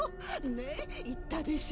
ねっ言ったでしょ